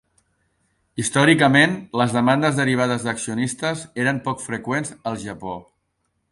Històricament, les demandes derivades d'accionistes eren poc freqüents al Japó.